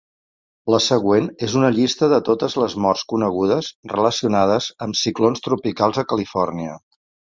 La següent és una llista de totes les morts conegudes relacionades amb ciclons tropicals a Califòrnia.